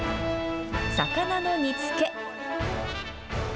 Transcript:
魚の煮つけ。